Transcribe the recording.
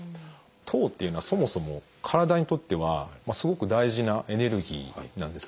糖っていうのはそもそも体にとってはすごく大事なエネルギーなんですね。